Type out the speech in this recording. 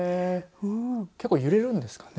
結構、揺れるんですかね。